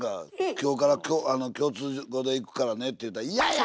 「今日から共通語でいくからね」って言うたら「いやや！」